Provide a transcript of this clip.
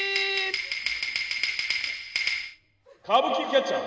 「歌舞伎キャッチャー」。